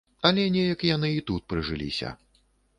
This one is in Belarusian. Але неяк яны і тут прыжыліся.